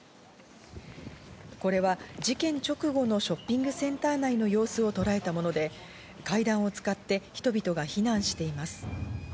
これは事件直後のショッピングセンター内の様子をとらえたもので、階段を使って、人々が避難しています。